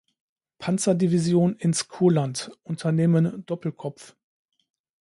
Panzerdivision ins Kurland (Unternehmen Doppelkopf).